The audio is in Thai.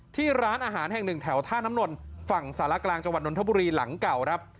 ที่ร้านอาหารแห่งหนึ่งแถวท่าน้ำนนฝั่งสารกลางจังหวัดนทบุรีหลังเก่าครับ